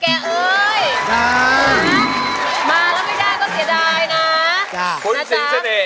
มาแล้วไม่ได้ก็เสียดายนะ